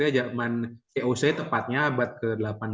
zaman voc tepatnya abad ke delapan belas